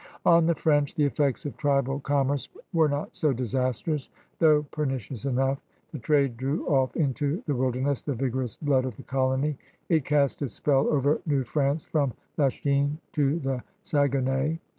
On the French the effects of tribal commerce were not so disastrous, though pernicious enough. The trade drew off into the wilderness the vigorous blood of the colony. It cast its spell over New France from Lachine to the Saguenay.